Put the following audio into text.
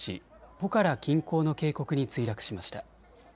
ポカラ近郊の渓谷に墜落しました。